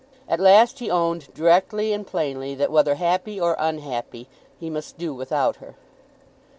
At last he owned directly and plainly that, whether happy or unhappy, he must do without her.